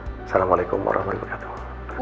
assalamualaikum warahmatullahi wabarakatuh